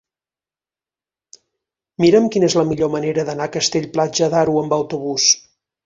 Mira'm quina és la millor manera d'anar a Castell-Platja d'Aro amb autobús.